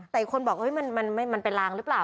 แต่อีกคนบอกมันเป็นลางหรือเปล่า